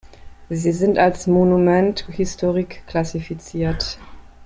Sie sind als Monument historique klassifiziert.